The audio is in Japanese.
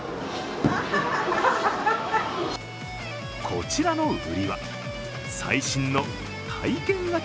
こちらの売りは、最新の体験型